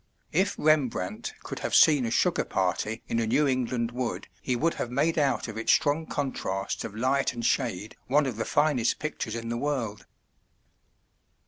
If Rembrandt could have seen a sugar party in a New England wood he would have made out of its strong contrasts of light and shade one of the finest pictures in the world.